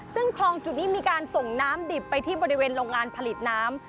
ซึ่งคลองจุดนี้มีการส่งน้ำดิบไปที่บริเวณโรงงานผลิตน้ำ